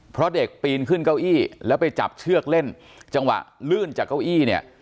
เพราะเด็กปีนขึ้นเก้าอี้แล้วไปจับเชือกเล่นจังหวะลื่นจากเก้าอี้เนี่ย